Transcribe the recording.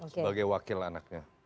sebagai wakil anaknya